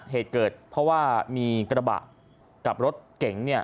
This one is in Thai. เหตุเกิดเพราะว่ามีกระบะกับรถเก๋งเนี่ย